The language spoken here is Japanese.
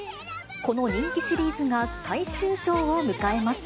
この人気シリーズが最終章を迎えます。